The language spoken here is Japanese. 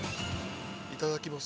◆いただきます。